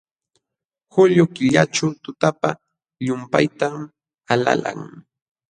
Julio killaćhu tutapa llumpaytam alalan.